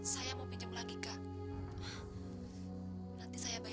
saya mau pinjam lagi kak